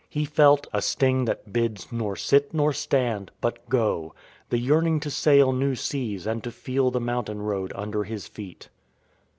He felt "A sting that bids Nor sit, nor stand — but go." the yearning to sail new seas and to feel the mountain road under his feet.